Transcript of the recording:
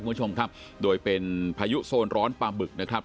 คุณผู้ชมครับโดยเป็นพายุโซนร้อนปลาบึกนะครับ